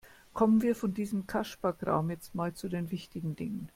Kommen wir von diesem Kasperkram jetzt mal zu den wichtigen Dingen.